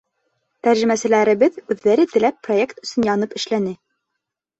Тәржемәселәребеҙ үҙҙәре теләп, проект өсөн янып эшләне.